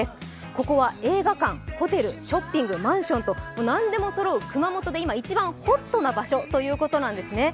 ここは映画館、ホテル、ショッピング、マンションと、なんでもそろう熊本で今一番ホットな場所ということですね。